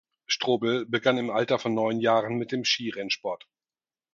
Strobl begann im Alter von neun Jahren mit dem Skirennsport.